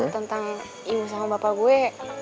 tentang ibu sama bapak gue